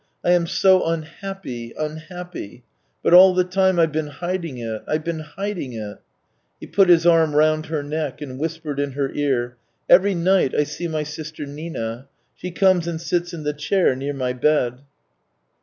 " I am so unhappy, unhappy ... but all the time I've been hiding it, I've been hiding it !" He put his arm round her neck and whispered in her ear: " Every night I see my sister Nina. She comes and sits in the chair near my bed.